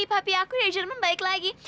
papi aku dari jerman balik lagi